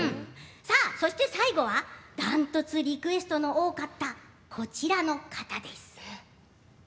最後は断トツでリクエストの多かったこちらの方です。